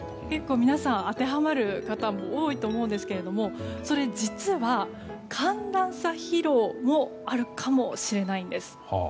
結構、皆さん当てはまる方も多いと思うんですけれどもそれ実は寒暖差疲労もあるかもしれないんです。